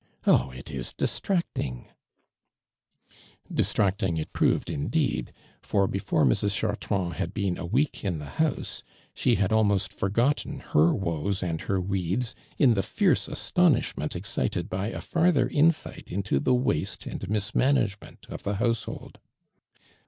Oh, it is distracting !'' Distracting it proved indeed, for before Jlrs. Chartrand had been a week in the house she had almost forgotten her woes and her weeds in the fierce astonishment excited by a farther insight into the waste and mis management of the household.